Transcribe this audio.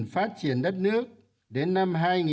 phát triển kinh tế xã hội